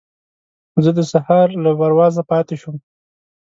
زه د سهار له پروازه پاتې شوم.